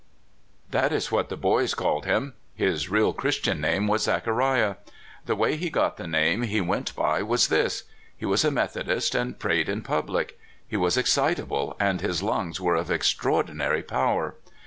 THAT is what the boys called him. His real Christian name was Zachariah. The way he got the name he went by was this: He was a Methodist, and prayed in pubhc. He was excitable, and his lungs were of extraordinary power.